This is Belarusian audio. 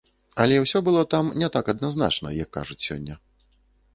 Але ўсё было там не так адназначна, як кажуць сёння.